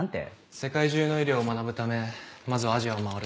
世界中の医療を学ぶためまずはアジアを回る。